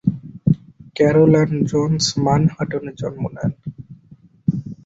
Carroll Ann Jones ম্যানহাটনে জন্ম নেন।